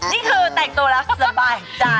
นี่คือแต่งตัวแล้วสบายจ้ะ